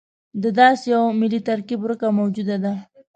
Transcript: د داسې یوه ملي ترکیب ورکه موجوده ده.